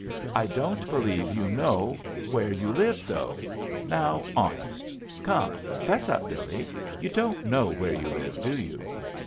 I don't believe you know where you live, though now, honest! Come! 'Fess up, Billee, you don't know where you live, do you?"